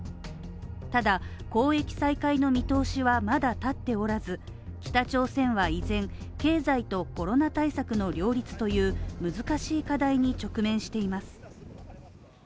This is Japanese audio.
ただ、交易再開の見通しはまだ立っておらず、北朝鮮は依然経済とコロナ対策の両立という難しい課題に直面しています。